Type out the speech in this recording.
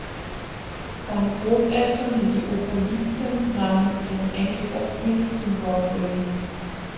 Seine Großeltern, die die Oper liebten, nahmen ihren Enkel oft mit zum Broadway.